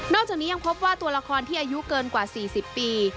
จากนี้ยังพบว่าตัวละครที่อายุเกินกว่า๔๐ปี